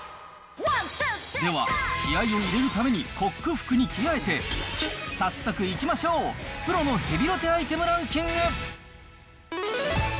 では、気合いを入れるためにコック服に着替えて、早速いきましょう、プロのヘビロテアイテムランキング。